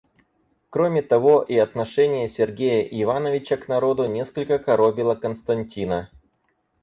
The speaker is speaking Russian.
Кроме того, и отношение Сергея Ивановича к народу несколько коробило Константина.